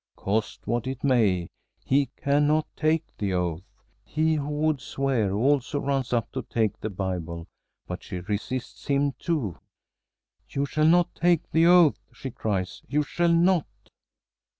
Cost what it may, he cannot take the oath. He who would swear also runs up to take the Bible, but she resists him too. "You shall not take the oath!" she cries, "you shall not!"